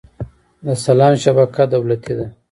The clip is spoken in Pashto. د سلام شبکه دولتي ده؟